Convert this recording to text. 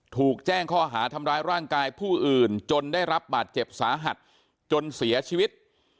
ถูกแจ้งข้อหาทำร้ายร่างกายผู้อื่นจนได้รับบาดเจ็บสาหัสจนเสียชีวิต